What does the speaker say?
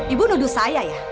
ibu nuduh saya ya